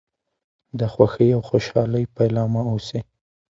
د خوښۍ او خوشحالی پيلامه اوسي .